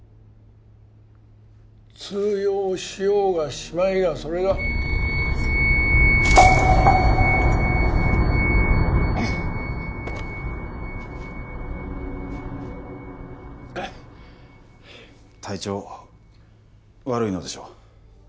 通用しようがしまいがそれが体調悪いのでしょう？